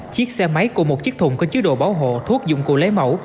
chiếc xe máy cùng một chiếc thùng có chứa đồ bảo hộ thuốc dụng cụ lấy mẫu